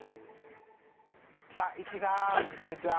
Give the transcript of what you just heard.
さあいっちーさんこんにちは！